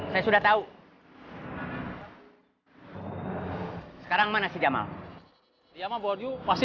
langsung aja ada apa